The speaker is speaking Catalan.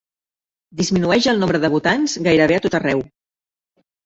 Disminueix el nombre de votants gairebé a tot arreu